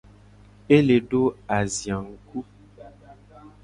E le do azia ngku.